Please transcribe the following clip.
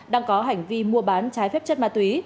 đang có hành vi mua bán trái phép chất ma túy